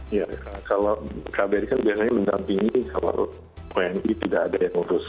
iya kalau kbri kan biasanya mendampingi kalau wni tidak ada yang urus